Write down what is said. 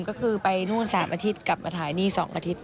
ก็คือไปนู่น๓อาทิตย์กลับมาถ่ายนี่๒อาทิตย